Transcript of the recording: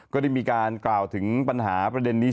ก็ได้มีการกล่าวถึงปัญหาประเด็นนี้